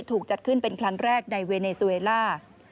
ถูกจัดขึ้นเป็นครั้งแรกในเวเนซูเวล่า